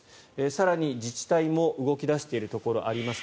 更に、自治体も動き出しているところがあります。